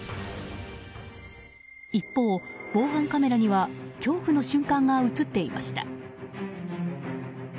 一方、防犯カメラには恐怖の瞬間が映っていました。